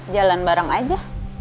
jalan bareng aja